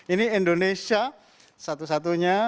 ini indonesia satu satunya